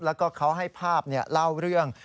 แล้วก็เขาให้ภาพเล่าเรื่อง